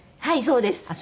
はいそうです。